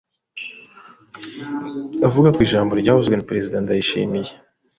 Avuga ku ijambo ryavuzwe na Perezida Ndayishimiye,